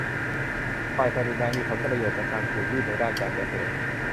ฝ่ายศักดินามีผลประโยชน์จากการขูดรีดในด้านการเกษตร